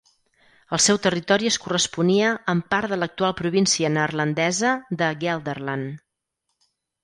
El seu territori es corresponia amb part de l'actual província neerlandesa de Gelderland.